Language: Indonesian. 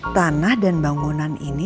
tanah dan bangunan ini